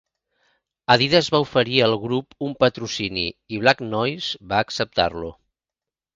Adidas va oferir al grup un patrocini, i Black Noise va acceptar-lo.